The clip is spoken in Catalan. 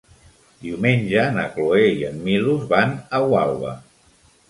Diumenge na Cloè i en Milos van a Gualba.